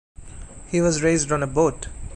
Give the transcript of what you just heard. He was raised on a boat.